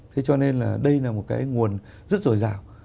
thế cho nên là đây là một cái nguồn rất rồi rào